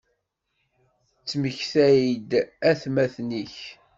Ttmektay-d atmaten-ik.